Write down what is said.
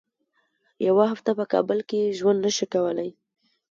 یوه هفته په کابل کې ژوند نه شي کولای.